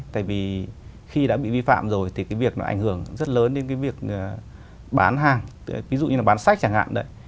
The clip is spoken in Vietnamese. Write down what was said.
tại vì khi đã bị vi phạm rồi thì cái việc nó ảnh hưởng rất lớn đến cái việc bán hàng ví dụ như là bán sách chẳng hạn đấy